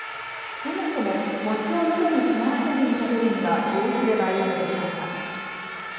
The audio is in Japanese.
そもそも餅をのどに詰まらせずに食べるにはどうすればいいのでしょうか。